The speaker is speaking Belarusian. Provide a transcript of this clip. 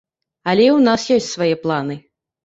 Але і ў нас ёсць свае планы.